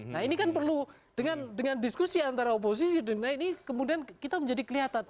nah ini kan perlu dengan diskusi antara oposisi dan lain ini kemudian kita menjadi kelihatan